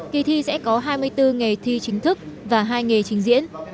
kỳ thi sẽ có hai mươi bốn nghề thi chính thức và hai nghề trình diễn